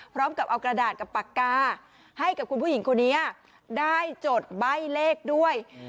พร้อมกับเอากระดาษกับปากกาให้กับคุณผู้หญิงคนนี้ได้จดใบ้เลขด้วย